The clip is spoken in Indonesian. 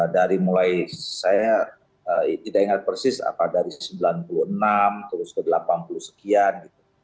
dari mulai saya tidak ingat persis apa dari sembilan puluh enam terus ke delapan puluh sekian